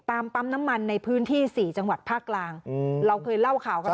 ปั๊มน้ำมันในพื้นที่สี่จังหวัดภาคกลางเราเคยเล่าข่าวกัน